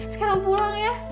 sekarang pulang ya